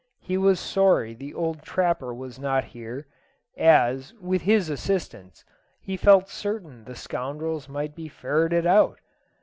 He was sorry the old trapper was not here, as, with his assistance, he felt certain the scoundrels might be ferreted out.